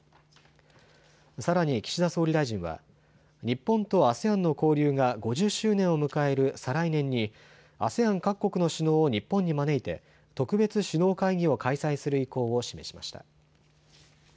さらに岸田総理大臣は日本とＡＳＥＡＮの交流が５０周年を迎える再来年にＡＳＥＡＮ各国の首脳を日本に招いて特別首脳会議を開催する意向を示しました。